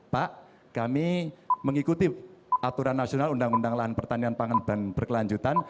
pak kami mengikuti aturan nasional undang undang lahan pertanian pangan dan berkelanjutan